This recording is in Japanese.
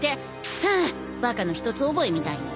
ハァバカの一つ覚えみたいに。